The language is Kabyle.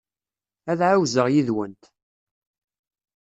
Ad ɛawzeɣ yid-went.